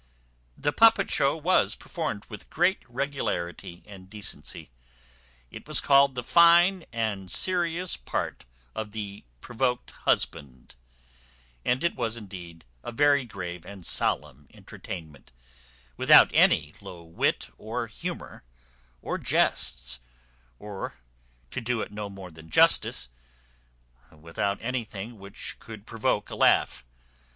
The puppet show was performed with great regularity and decency. It was called the fine and serious part of the Provoked Husband; and it was indeed a very grave and solemn entertainment, without any low wit or humour, or jests; or, to do it no more than justice, without anything which could provoke a laugh.